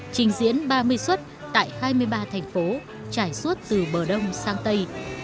trình diễn ba mươi xuất tại hai mươi ba thành phố trải xuất từ bờ đông sang tây